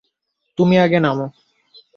তুমি আগে নামো।